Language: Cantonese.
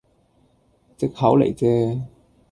藉口嚟啫